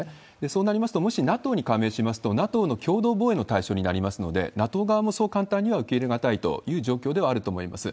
そうなりますと、もしＮＡＴＯに加盟しますと、ＮＡＴＯの共同防衛の対象になりますので、ＮＡＴＯ側もそう簡単には受け入れ難いという状況ではあると思います。